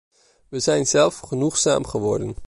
We zijn zelfgenoegzaam geworden.